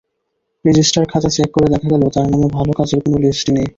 Register খাতা check করে দেখা গেল, তাঁর নামে ভালো কাজের কোনো লিস্টি নেই।